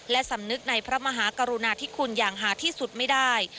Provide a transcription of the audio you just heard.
และสำนึกในพระมหากรุณาธิคุณอย่างหาที่สุดไม่ได้